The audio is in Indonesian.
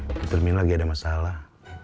di terminal lagi ada masalah